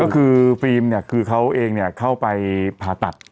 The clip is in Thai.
ก็คือฟิล์มเนี่ยคือเขาเองเข้าไปผ่าตัด